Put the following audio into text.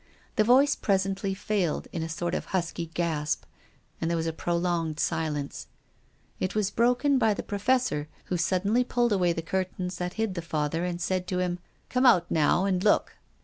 The voice presently failed, in a sort of husky gasp, and there was a prolonged silence. It was broken by the Pro fessor, who suddenly pulled away the curtains that hid the Father and said to him :" Come out now, and look."